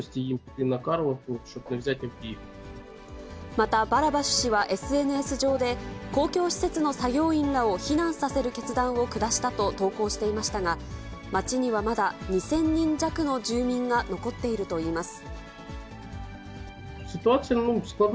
またバラバシュ氏はＳＮＳ上で、公共施設の作業員らを避難させる決断を下したと投稿していましたが、町にはまだ、２０００人弱の住民が残っているといいます。